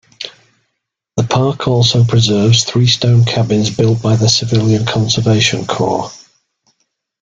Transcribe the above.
The park also preserves three stone cabins built by the Civilian Conservation Corps.